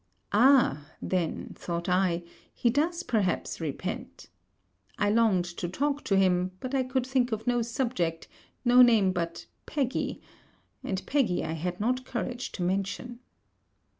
Ah, then, thought I, he does perhaps repent! I longed to talk to him, but I could think of no subject, no name but Peggy; and Peggy I had not courage to mention.